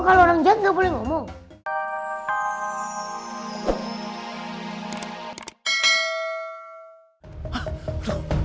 oh kalau orang jahat tidak boleh ngomong